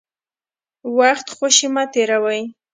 وخت خوشي مه تېروئ.